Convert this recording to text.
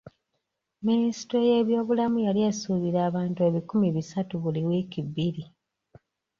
Minisitule y'ebyobulamu yali esuubira abantu ebikumi bisatu buli wiiiki bbiri.